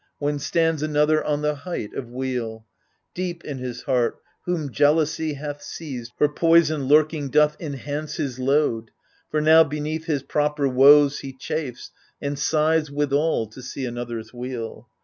When stands another on the height of weal. AGAMEMNON 37 Deep in his heart, whom jealousy hath seized, Her poison lurking doth enhance his load ; For now beneath his proper woes he chafes, And sighs withal to see another's weal.